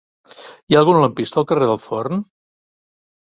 Hi ha algun lampista al carrer del Forn?